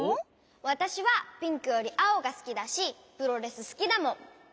わたしはピンクよりあおがすきだしプロレスすきだもん！